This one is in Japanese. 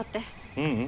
ううん。